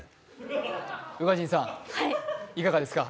宇賀神さん、いかがですか。